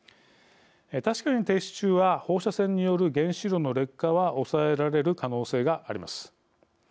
確かに停止中は放射線による原子炉の劣化は抑えられる可能性があります。